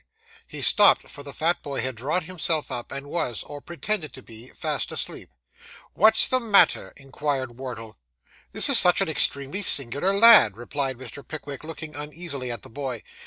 He stopped, for the fat boy had drawn himself up, and was, or pretended to be, fast asleep. 'What's the matter?' inquired Wardle. 'This is such an extremely singular lad!' replied Mr. Pickwick, looking uneasily at the boy.